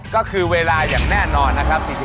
ก็คือเวลาอย่างแน่นอนนะครับ